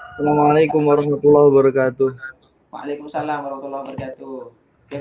assalamualaikum warahmatullah wabarakatuh waalaikumsalam warahmatullah wabarakatuh